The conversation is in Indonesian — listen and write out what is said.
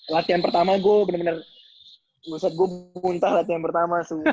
latihan pertama gue bener bener maksud gue muntah latihan pertama sih